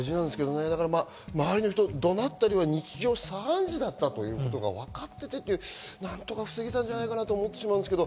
周りの人、怒鳴ったりは日常茶飯事だということがわかっていて、何とか防げたんじゃないかなと思ってしまうんですけど。